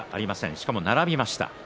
しかも並びました。